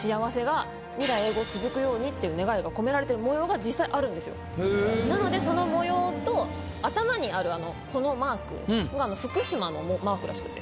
ようにっていう願いが込められてる模様が実際あるんですよなのでその模様と頭にあるこのマーク福島のマークらしくて。